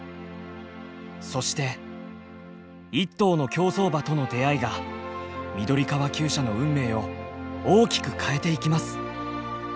そして一頭の競走馬との出会いが緑川きゅう舎の運命を大きく変えていきます。